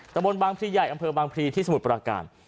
ตะบนบางพลีใหญ่อำเภอบางพลีที่สมุทรปราการ